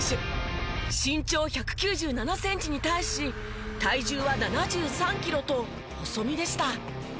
身長１９７センチに対し体重は７３キロと細身でした。